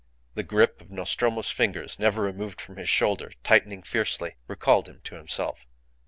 The grip of Nostromo's fingers never removed from his shoulder, tightening fiercely, recalled him to himself.